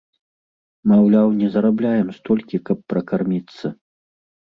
Маўляў, не зарабляем столькі, каб пракарміцца.